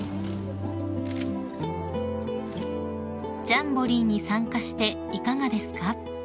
［「ジャンボリーに参加していかがですか？」